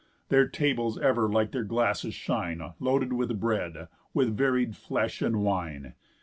Their tables ever like their glasses shine, Loaded with bread, with varied flesh, and wine.